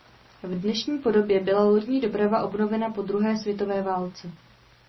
V dnešní podobě byla lodní doprava obnovena po druhé světové válce.